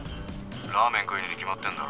ラーメン食いにに決まってんだろ。